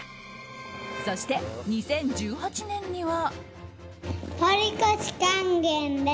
そして、２０１８年には。